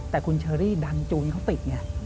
แต่คุณเชอรี่ดันจูนเขาติดไง